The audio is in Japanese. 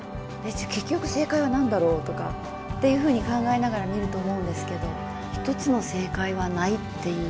じゃ結局正解は何だろうとかっていうふうに考えながら見ると思うんですけど１つの正解はないっていう。